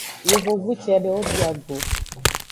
Yovogbu cedewo bia go.